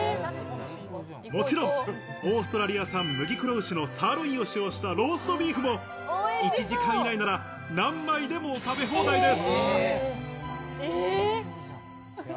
もちろんオーストラリア産麦黒牛のサーロインを使用したローストビーフも１時間以内なら何枚でも食べ放題です。